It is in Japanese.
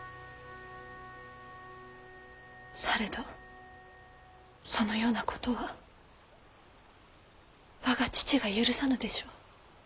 されどそのようなことは我が父が許さぬでしょう。